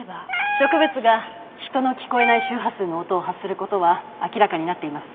植物が人の聞こえない周波数の音を発する事は明らかになっています。